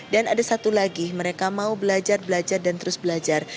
dan ada satu lagi mereka mau belajar belajar dan terus belajar